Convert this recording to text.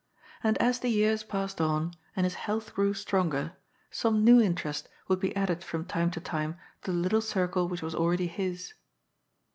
And as the years passed on, and his health grew stronger, some new interest would be added from time to time to the little circle which was already his.